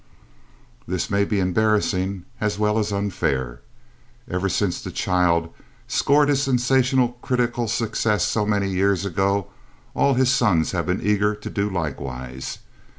This may be embarrassing as well as unfair. Ever since the child scored his sensational critical success so many years ago, all his sons have been eager to do likewise.